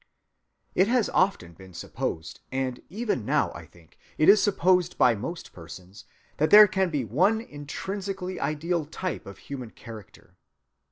It has often been supposed, and even now, I think, it is supposed by most persons, that there can be one intrinsically ideal type of human character.